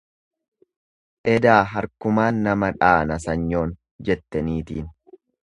Edaa harkumaan nama dhaana sanyoon, jette niitiin.